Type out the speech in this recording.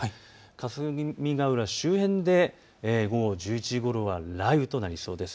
霞ヶ浦周辺で午後１１時ごろは雷雨となりそうです。